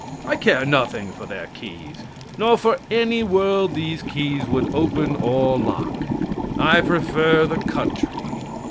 I care nothing for their keys, nor for any world these keys would open or lock; I prefer the country.